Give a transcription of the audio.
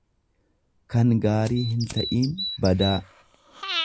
kan gaarii hinta'iin, badaa.